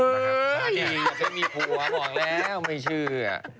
เฮ้ยอย่าเพิ่งมีผัวบอกแล้วไม่เชื่อ